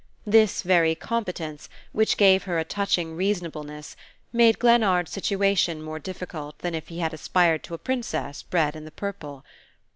This very competence, which gave her a touching reasonableness, made Glennard's situation more difficult than if he had aspired to a princess bred in the purple.